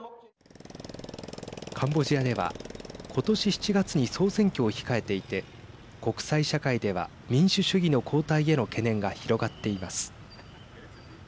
カンボジアでは今年７月に総選挙を控えていて国際社会では民主主義の後退への懸念が広がっています。